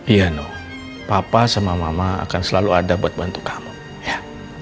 iya no papa sama mama akan selalu ada buat bantu kamu ya